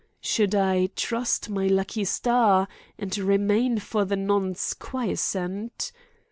Should I trust my lucky star and remain for the nonce quiescent?